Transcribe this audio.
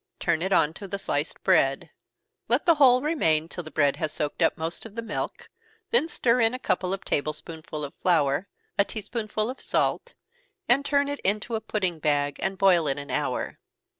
Turn it on to the sliced bread let the whole remain till the bread has soaked up most of the milk, then stir in a couple of table spoonsful of flour, a tea spoonful of salt, and turn it into a pudding bag, and boil it an hour.